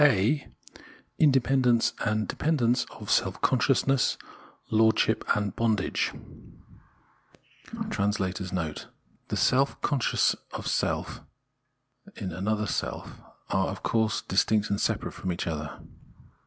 A INDEPENDENCE AND DEPENDENCE OF SELF CONSCIOUSNESS LORDSHIP AND BONDAGE [The selves conscious of self in another self are, of course, distinct and separate from each other.